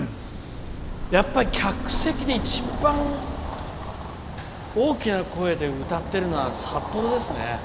やっぱり客席で一番、大きな声で歌ってるのは札幌ですね。